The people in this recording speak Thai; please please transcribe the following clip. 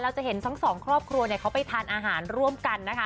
เราจะเห็นสองครอบครัวที่เขาไปทานอาหารร่วมกันนะคะ